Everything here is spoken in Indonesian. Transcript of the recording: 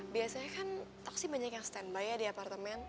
biasanya kan toksi banyak yang standby ya di apartemen